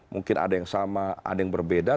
mungkin ada yang sama ada yang berbeda